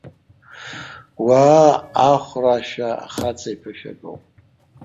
Уаа ахәрашәа ахаҵа иԥышәагоуп!